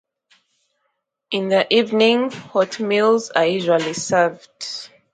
In the evening, hot meals are usually served.